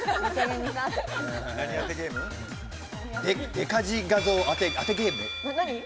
デカ字画像当てゲーム。